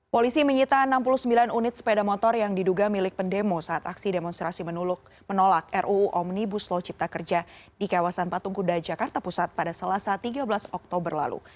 polisi menyita enam puluh sembilan unit sepeda motor yang diduga milik pendemo saat aksi demonstrasi menolak ruu omnibus law cipta kerja di kawasan patung kuda jakarta pusat pada selasa tiga belas oktober lalu